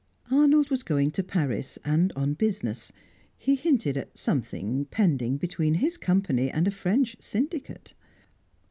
Arnold was going to Paris, and on business; he hinted at something pending between his Company and a French Syndicate.